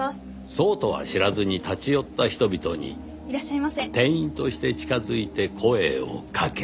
そうとは知らずに立ち寄った人々に店員として近づいて声をかけ。